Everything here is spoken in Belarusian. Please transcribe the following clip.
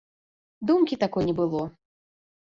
Думкі такой не было.